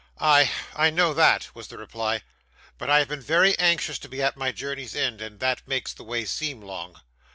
'Ay, I know that,' was the reply; 'but I have been very anxious to be at my journey's end, and that makes the way seem long.